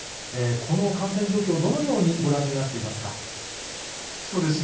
この感染状況、どのようにご覧になっていますか。